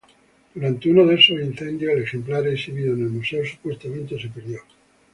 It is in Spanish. Durante uno de esos incendios, el ejemplar exhibido en el museo supuestamente se perdió.